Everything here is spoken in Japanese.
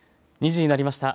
２時になりました。